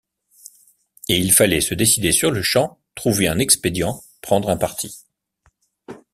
Et il fallait se décider sur-le-champ, trouver un expédient, prendre un parti.